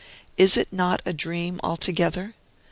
Is it not a dream altogether?